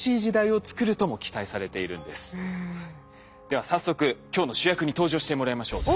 では早速今日の主役に登場してもらいましょう。